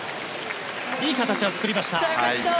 いい形は作りました。